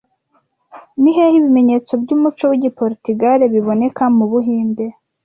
Ni hehe ibimenyetso byumuco wigiportigale biboneka mubuhinde